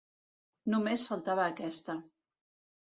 Només faltava aquesta.